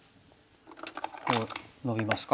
こうノビますか？